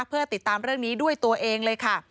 เพื่อติดตามเรื่องนี้ด้วยตัวเองเลยค่ะ